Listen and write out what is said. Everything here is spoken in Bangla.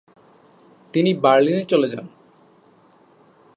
তিনি বার্লিনে চলে যান।